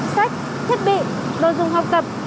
sách thiết bị đồ dùng hợp tập